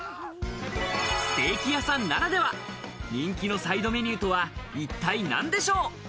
ステーキ屋さんならでは人気のサイドメニューとは一体なんでしょう？